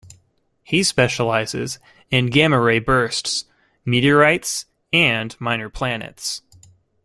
He specialises in gamma-ray bursts, meteorites and minor planets.